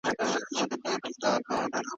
د کور ابادولو مصارف د کوم شخص پر غاړه دي؟